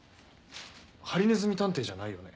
『ハリネズミ探偵』じゃないよね？